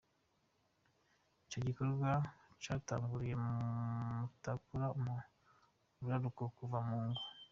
Ico gikorwa catanguriye ku Mutakura mu buraruko kuwa mungu.